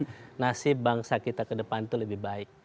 kami harus memperbaikkan nasib bangsa kita ke depan itu lebih baik